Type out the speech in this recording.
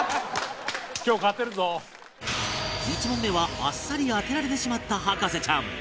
１問目はあっさり当てられてしまった博士ちゃん